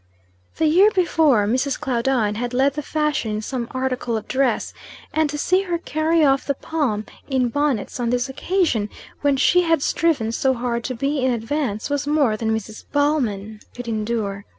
The year before, Mrs. Claudine had led the fashion in some article of dress, and to see her carry off the palm in bonnets on this occasion, when she had striven so hard to be in advance, was more than Mrs. Bellman could endure.